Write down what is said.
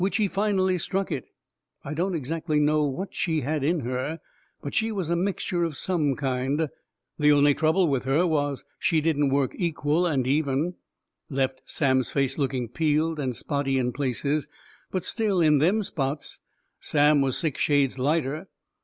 Which he finally struck it. I don't exactly know what she had in her, but she was a mixture of some kind. The only trouble with her was she didn't work equal and even left Sam's face looking peeled and spotty in places. But still, in them spots, Sam was six shades lighter.